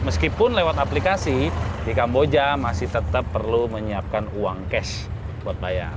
meskipun lewat aplikasi di kamboja masih tetap perlu menyiapkan uang cash buat bayar